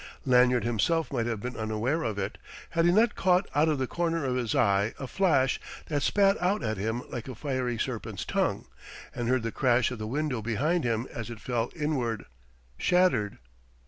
Lanyard himself might have been unaware of it, had he not caught out of the corner of his eye a flash that spat out at him like a fiery serpent's tongue, and heard the crash of the window behind him as it fell inward, shattered.